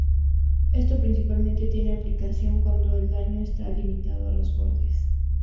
Esto principalmente tiene aplicación cuando el daño está limitado a los bordes.